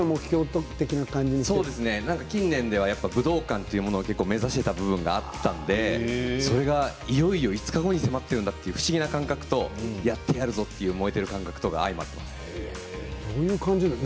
近年では武道館というものを目指していた部分があったのでそれがいよいよ５日後に迫っているんだという不思議な感覚とやってやるぞという感覚が相まっていますね。